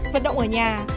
vận động ở nhà